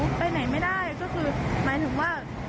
ไปไหนไม่ได้ก็คือหมายถึงว่า